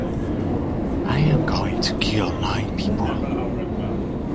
I am going to kill nine people.